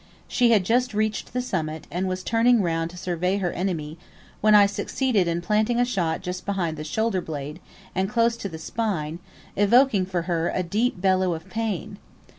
She had just reached the summit, and was turning round to survey her enemy, when I succeeded in planting a shot just behind the shoulder blade, and close to the spine, evoking from her a deep bellow of pain.